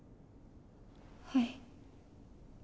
はい。